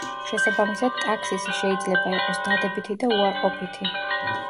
შესაბამისად ტაქსისი შეიძლება იყოს დადებითი და უარყოფითი.